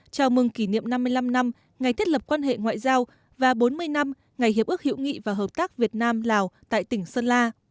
chào mừng kỷ niệm năm mươi năm năm ngày thiết lập quan hệ ngoại giao và bốn mươi năm ngày hiệp ước hữu nghị và hợp tác việt nam lào tại tỉnh sơn la